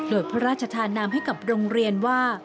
โดยพระราชธานามให้กับโรงเรียนว่า